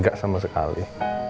gak sama sekali